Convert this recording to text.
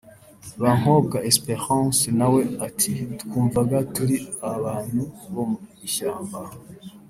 Bankobwa Esperance na we ati “Twumvaga turi abantu bo mu ishyamba